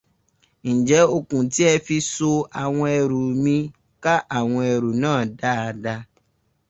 Ǹjẹ́́ okùn tí ẹ fi so àwọn ẹrù mí ká àwọn ẹrù náà dáada?